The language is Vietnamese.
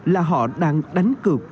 là họ đang đánh cực